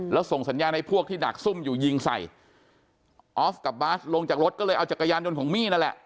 แล้วส่งสัญญาณให้พวกที่ดักซุ่มอยู่ยิงใส่ออฟกับบาสลงจากรถก็เลยเอาจักรยานยนต์ของมี่นั่นแหละ